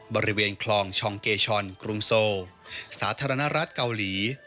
บริเวณคลองชองเกชอนกรุงโซสาธารณรัฐเกาหลี